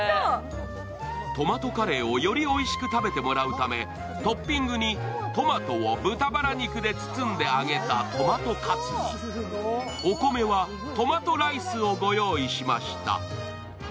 トマトカレーをよりおいしく食べてもらうためトッピングにトマトを豚バラ肉で包んで揚げたトマトカツにお米はトマトライスをご用意しました。